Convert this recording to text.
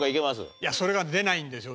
いやそれが出ないんですよ。